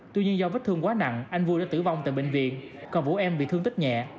tuy nhiên do vết thương quá nặng anh vui đã tử vong tại bệnh viện còn vũ em bị thương tích nhẹ